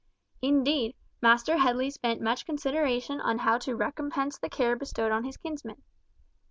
Indeed, Master Headley spent much consideration on how to recompense the care bestowed on his kinsman.